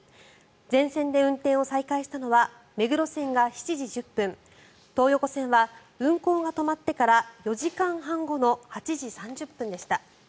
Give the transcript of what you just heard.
全線で運転を再開したのは目黒線が７時１０分東横線は運行が止まってから４時間半後の８時３０分でした。